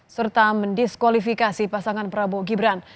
serta mendiskualifikasi pasangan prabowo gibran